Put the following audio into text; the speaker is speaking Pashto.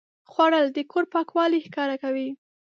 خوړل د کور پاکوالی ښکاره کوي